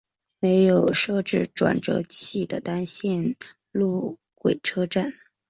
没有设置转辙器的单线路轨车站。